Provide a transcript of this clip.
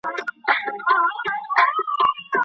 د لاس لیکنه د تلپاتې اړیکو ضمانت کوي.